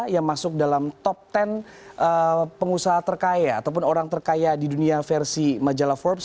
yang masuk dalam top sepuluh pengusaha terkaya ataupun orang terkaya di dunia versi majalah forbes